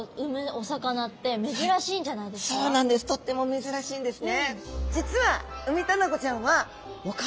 お魚の中ではとっても珍しいんですね。